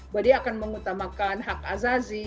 bahwa dia akan mengutamakan hak azazi